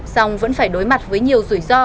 song vẫn phải đối mặt với nhiều rủi ro